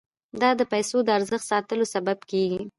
دا د پیسو د ارزښت ساتلو سبب کیږي.